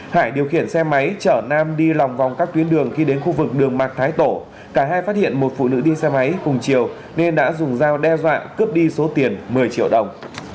hải điều khiển xe máy chở nam đi lòng vòng các tuyến đường khi đến khu vực đường mạc thái tổ cả hai phát hiện một phụ nữ đi xe máy cùng chiều nên đã dùng dao đe dọa cướp đi số tiền một mươi triệu đồng